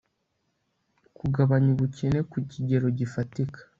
kugabanya ubukene ku kigero gifatika